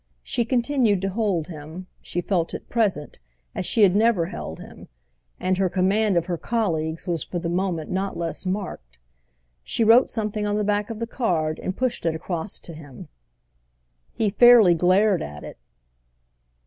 She continued to hold him, she felt at present, as she had never held him; and her command of her colleagues was for the moment not less marked. She wrote something on the back of the card and pushed it across to him. He fairly glared at it.